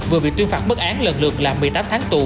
vừa bị tuyên phạt bức án lần lượt là một mươi tám tháng tù